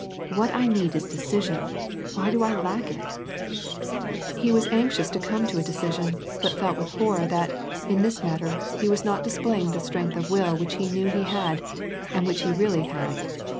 What I need is decision ! Why do I lack it ?" WAR AND PEACE, 251 He was anxious to come to a deoision, but felt with horror that, in this matter, he was not displaying the strength of will which he knew h(^ had, and which he really had.